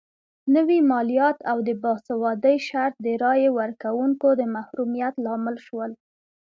نوي مالیات او د باسوادۍ شرط د رایې ورکونکو د محرومیت لامل شول.